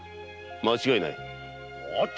「間違いない」